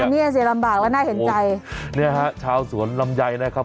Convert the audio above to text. เนี้ยสิลำบากแล้วน่าเห็นใจเนี่ยฮะชาวสวนลำไยนะครับ